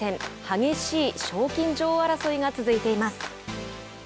激しい賞金女王争いが続いています。